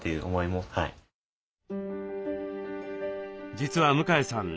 実は向江さん